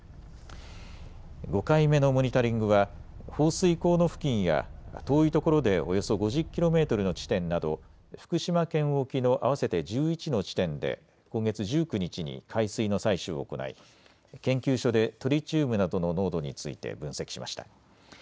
５回目のモニタリングは放水口の付近や遠いところでおよそ５０キロメートルの地点など福島県沖の合わせて１１の地点で今月１９日に海水の採取を行い研究所でトリチウムなどの濃度について分析しました。